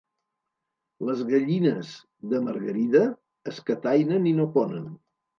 Les gallines de Margarida escatainen i no ponen.